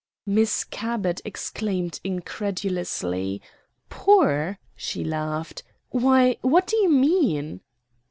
Miss Cabot exclaimed incredulously, "Poor!" She laughed. "Why, what do you mean?"